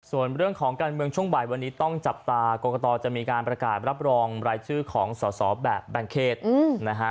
ส่วนเรื่องของการเมืองช่วงบ่ายวันนี้ต้องจับตากรกตจะมีการประกาศรับรองรายชื่อของสอสอแบบแบ่งเขตนะฮะ